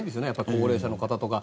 高齢者の方とか。